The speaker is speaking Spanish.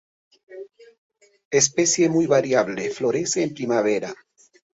Especie muy variable. Florece en primavera.